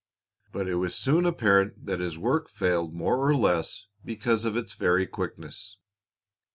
But it was soon apparent that his work failed more or less because of its very quickness.